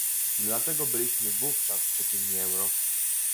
Dlaczego byliśmy wówczas przeciwni euro?